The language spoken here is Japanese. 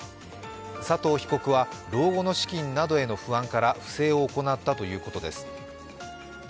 佐藤被告は老後の資金などの不安から不正を行ったということです。